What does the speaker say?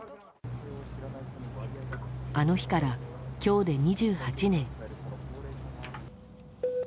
あの日から今日で２８年。